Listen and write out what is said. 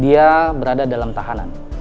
dia berada dalam tahanan